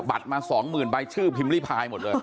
บัตรมา๒๐๐๐ใบชื่อพิมพ์ริพายหมดเลย